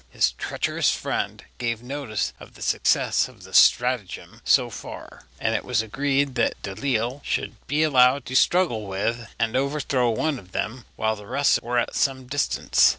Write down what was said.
His treacherous friend gave notice of the success of the stratagem so far; and it was agreed that Delisle should be allowed to struggle with and overthrow one of them while the rest were at some distance.